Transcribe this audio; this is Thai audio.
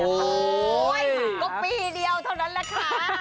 โอ้โหก็ปีเดียวเท่านั้นแหละค่ะ